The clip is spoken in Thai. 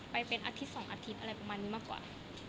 ไปเป็นอาทิตย์๒อาทิตย์อะไรประมาณนี้มากกว่า